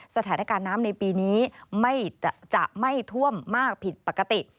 สถานการณ์น้ำในปีนี้จะไม่ท่วมมากผิดปกติ